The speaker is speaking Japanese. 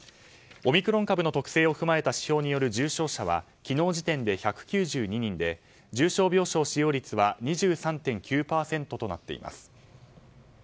オミクロン株の特性を踏まえた指標による重症者は昨日時点で１９２人で重症病床使用率は２３．９％となっています。